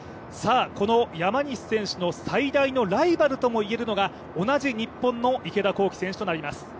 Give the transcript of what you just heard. この山西選手の最大のライバルともいえるのが同じ日本の池田向希選手となります。